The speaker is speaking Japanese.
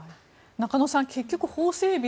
中野さん、結局、法整備